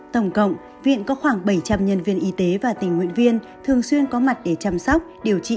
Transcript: tổng cộng viện có khoảng bảy trăm linh nhân viên y tế và tình nguyện viên thường xuyên có mặt để chăm sóc điều trị